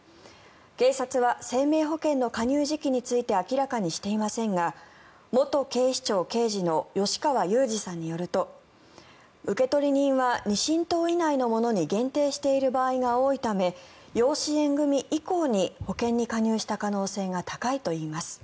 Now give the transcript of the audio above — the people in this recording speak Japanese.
警察は生命保険の加入時期について明らかにしていませんが元警視庁刑事の吉川祐二さんによると受取人は二親等以内の者に限定している場合が多いため養子縁組以降に保険に加入した可能性が高いといいます。